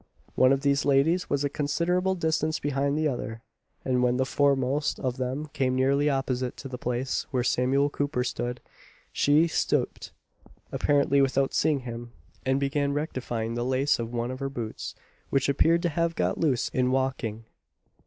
One of these ladies was a considerable distance behind the other; and when the foremost of them came nearly opposite to the place where Samuel Cooper stood, she stooped apparently without seeing him and began rectifying the lace of one of her boots, which appeared to have got loose in walking.